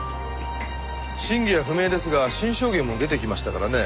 真偽は不明ですが新証言も出てきましたからね。